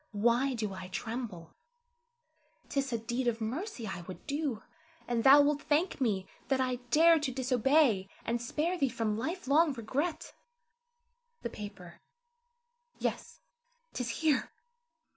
Why do I tremble? 'T is a deed of mercy I would do, and thou wilt thank me that I dared to disobey, and spare thee from life long regret. The paper, yes, 'tis here!